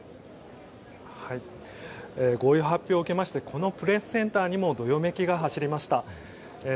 合意発表を受けましてこのプレスセンターにもどよめきが走りました。